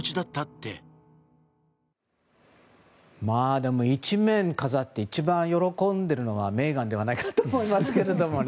でも１面を飾って一番喜んでるのはメーガンではないかと思いますけれどもね。